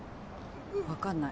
分かんない。